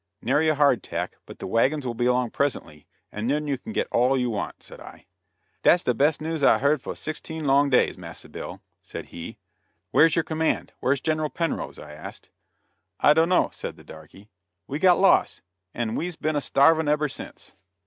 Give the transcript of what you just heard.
"Nary a hard tack; but the wagons will be along presently, and then you can get all you want," said I. "Dat's de best news I'se heerd foah sixteen long days, Massa Bill," said he. "Where's your command? Where's General Penrose?" I asked. "I dunno," said the darkey; "we got lost, and we's been a starvin' eber since."